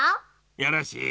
よろしい。